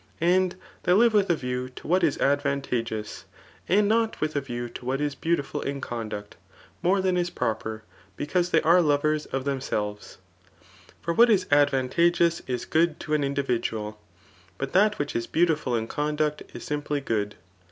And they live with a view to what is advantageous, and not with a view to what is beaunful in conduct, more than is proper, because they are lovers of themselves. For that which is advantageous is good to an individual ; but that which is beautiful in conduct is 'simply good.